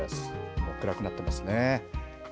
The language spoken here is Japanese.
もう暗くなってますね。